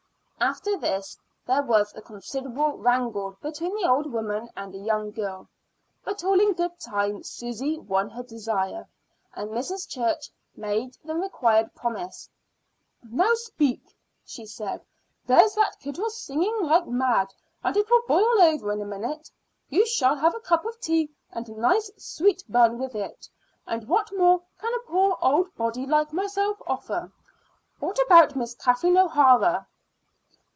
After this there was a considerable wrangle between the old woman and the young girl, but all in good time Susy won her desire, and Mrs. Church made the required promise. "Now speak," she said. "There's that kettle singing like mad, and it will boil over in a minute. You shall have a cup of tea and a nice sweet bun with it, and what more can a poor old body like myself offer? What about Miss Kathleen O'Hara?"